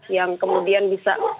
yang kemudian bisa